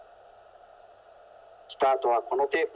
スタートはこのテープ。